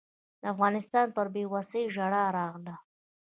د افغانستان پر بېوسۍ ژړا راغله.